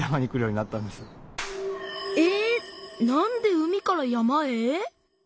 なんで海から山へ？